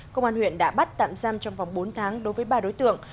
công an huyện đã bắt tạm giam trong vòng bốn tháng đối với ba đối tượng